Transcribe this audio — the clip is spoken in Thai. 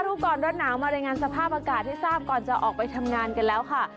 รู้ก่อนร้อนหนาวมารายงานสภาพอากาศให้ทราบก่อนจะออกไปทำงานกันแล้วค่ะ